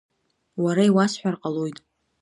Уара иуасҳәар ҟалоит.